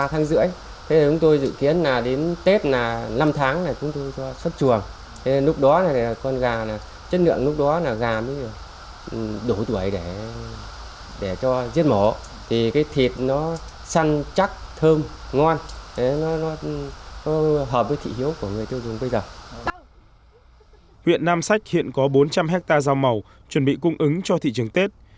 huyện nam sách hiện có bốn trăm linh hectare rau màu chuẩn bị cung ứng cho thị trường tết